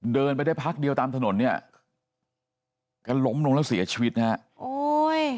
เดินไปได้พักเดียวตามถนนเนี่ยแกล้มลงแล้วเสียชีวิตนะฮะโอ้ย